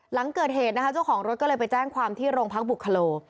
หลังเกิดเหตุนะคะเจ้าของรถก็เลยไปแจ้งความที่โรงพักบุคโล